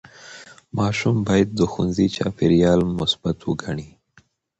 ماشوم باید د ښوونځي چاپېریال مثبت وګڼي.